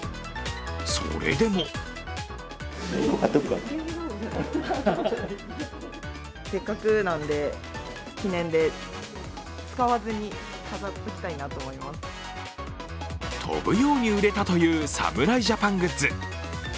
それでも飛ぶように売れたという侍ジャパングッズ。